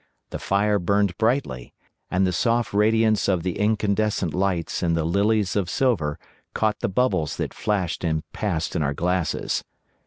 The fire burnt brightly, and the soft radiance of the incandescent lights in the lilies of silver caught the bubbles that flashed and passed in our glasses.